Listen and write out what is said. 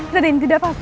raden tidak apa apa